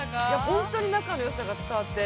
◆本当に仲のよさが伝わって。